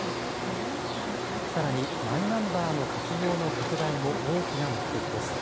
さらに、マイナンバーの活用の拡大も大きな目的です。